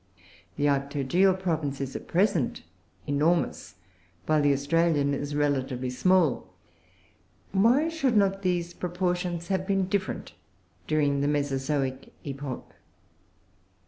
The Arctogaeal province is at present enormous, while the Australian is relatively small. Why should not these proportions have been different during the Mesozoic epoch?